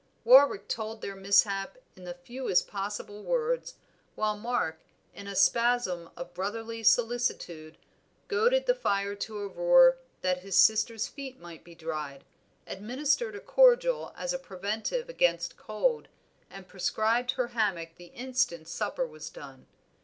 Warwick told their mishap in the fewest possible words, while Mark, in a spasm of brotherly solicitude, goaded the fire to a roar that his sister's feet might be dried, administered a cordial as a preventive against cold, and prescribed her hammock the instant supper was done.